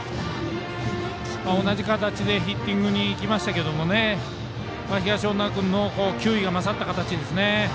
同じ形でヒッティングにいきましたけど東恩納君の球威が勝った形ですね。